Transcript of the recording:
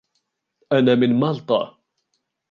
أنا من مالطا.